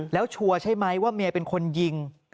แล้วชัวร์ใช่ไหมว่าเมียเป็นคนยิง